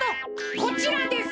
こちらです。